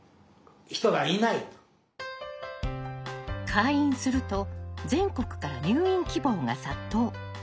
開院すると全国から入院希望が殺到。